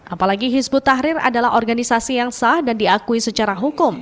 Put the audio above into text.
apalagi hizbut tahrir adalah organisasi yang sah dan diakui secara hukum